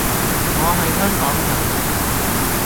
我係香港人